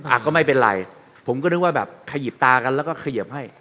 อ่ะก็ไม่เป็นไรผมก็นึกว่าแบบขยิบตากันแล้วก็เขยิบให้